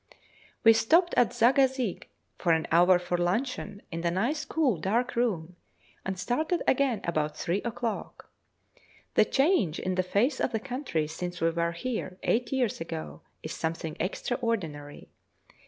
We stopped at Zag à zig for an hour for luncheon in a nice cool dark room, and started again about three o'clock. The change in the face of the country since we were here eight years ago is something extraordinary.